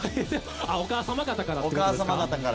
お母様方から。